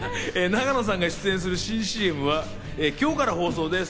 永野さんが出演する新ＣＭは今日から放送です。